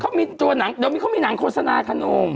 เขามีตัวหนังเดี๋ยวมีหนังโฆษณาคันนโอม